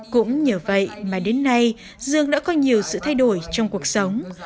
cũng nhờ vậy mà đến nay dương đã có nhiều sự thay đổi trong cuộc sống